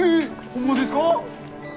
ホンマですか！？